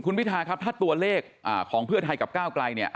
คุณพิทาครับถ้าตัวเลขของเพื่อไทยกับก้าวไกลเนี่ย